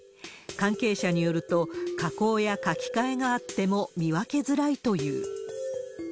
関係者によると、加工や書き換えがあっても見分けづらいという。